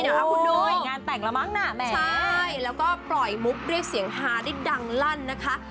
เดี๋ยวเอาให้คุณดูใช่แล้วก็ปล่อยมุบเรียกเสียงฮาดิดดังลั่นนะคะ